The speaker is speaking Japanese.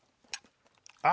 あ！